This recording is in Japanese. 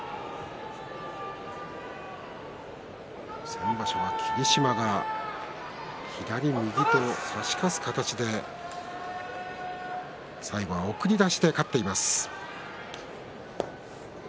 先場所は霧島が左右と差し勝つ形で最後は送り出しで勝っています。